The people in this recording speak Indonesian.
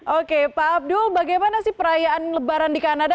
oke pak abdul bagaimana sih perayaan lebaran di kanada